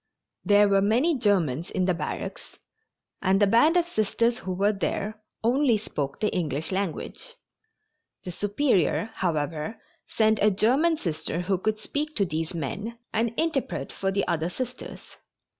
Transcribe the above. There were many Germans in the barracks, and the band of Sisters who were there only spoke the English language. The Superior, however, sent a German Sister who could speak to these men and interpret for the other Sisters.